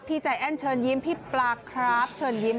ใจแอ้นเชิญยิ้มพี่ปลาครับเชิญยิ้ม